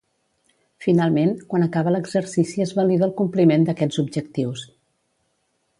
Finalment, quan acaba l'exercici es valida el compliment d'aquests objectius.